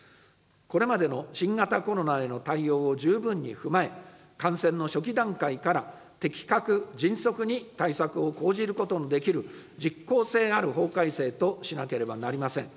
これまでの新型コロナへの対応を十分に踏まえ、感染の初期段階から的確・迅速に対策を講じることのできる、実効性ある法改正としなければなりません。